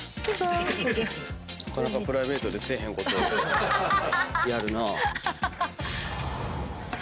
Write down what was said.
なかなかプライベートでせえへんことをやるなぁ。